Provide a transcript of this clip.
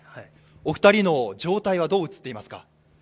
お二人の状態はどう映っていますか？